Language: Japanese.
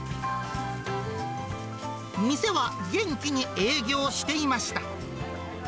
店は元気に営業していました。